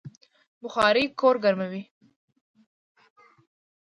بخارۍ کور ګرموي